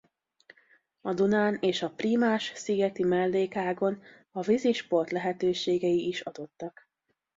A Dunán és a Prímás-szigeti mellékágon a vízi sport lehetőségei is adottak.